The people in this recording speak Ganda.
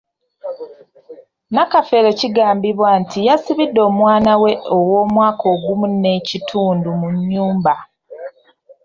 Nakafeero kigambibwa nti yasibidde omwana we ow’omwaka ogumu n’ekitundu mu nnyumba.